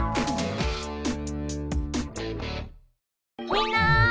みんな！